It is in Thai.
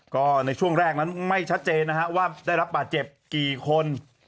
ก็ในช่วงแรกนั้นไม่ชัดเจนนะฮะว่าได้รับบาดเจ็บกี่คน